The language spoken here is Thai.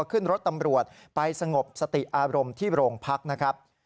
ขึ้นรถตำรวจไปสงบสติอารมณ์ที่โรงพักนะครับ